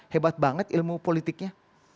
hebat banget ilmu politiknya